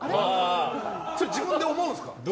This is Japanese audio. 自分で思うんですか？